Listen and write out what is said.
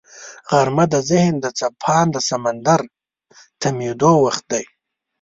غرمه د ذهن د څپاند سمندر تمېدو وخت دی